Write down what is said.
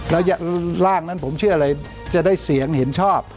แล้วร่างนั้นผมเชื่ออะไรจะได้เสียงเห็นชอบ